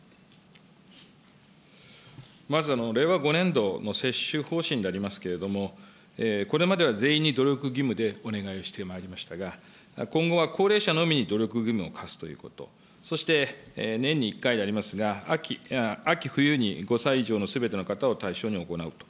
まず、令和５年度の接種方針でありますけれども、これまでは全員に努力義務でお願いをしてまいりましたが、今後は高齢者のみに努力義務を課すということ、そして年に１回でありますが、秋、冬に５歳以上のすべての方を対象に行うと。